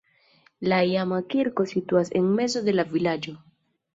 La iama kirko situas en mezo de la vilaĝo.